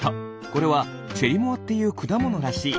これはチェリモアっていうくだものらしい。